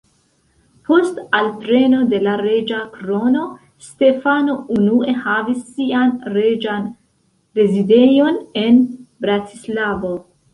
Post alpreno de la reĝa krono, Stefano unue havis sian reĝan rezidejon en Bratislavo.